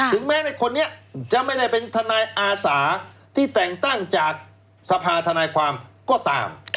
ถึงแม้ในคนนี้จะไม่ได้เป็นทนายอาสาที่แต่งตั้งจากสภาธนายความก็ตาม